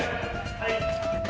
はい。